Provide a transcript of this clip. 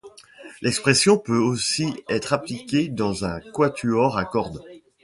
L'expression peut aussi être appliquée dans un quatuor à cordes.